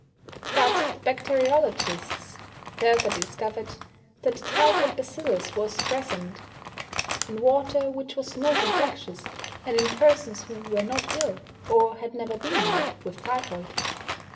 But the bacteriologists further discovered that the typhoid bacillus was present in water which was not infectious, and in persons who were not ill, or had never been ill, with typhoid.